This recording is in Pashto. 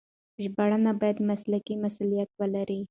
ژباړن بايد مسلکي مسؤليت ولري.